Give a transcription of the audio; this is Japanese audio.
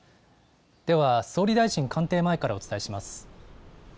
では総理大臣官邸前からお伝えします。